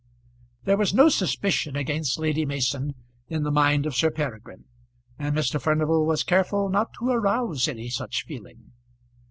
There was no suspicion against Lady Mason in the mind of Sir Peregrine, and Mr. Furnival was careful not to arouse any such feeling.